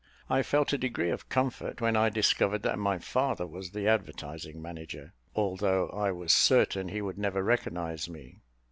I felt a degree of comfort, when I discovered that my father was the advertising manager, although I was certain he would never recognise me.